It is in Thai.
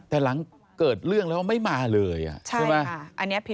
แต่หลังเกิดเรื่องแล้วไม่มาเลยอ่ะใช่ไหมใช่ค่ะอันนี้ผิดพิสัย